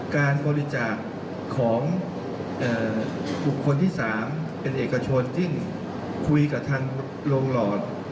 การบริจาคของบุคคลที่๓เป็นเอกชนที่คุยกับทางโรงหลอด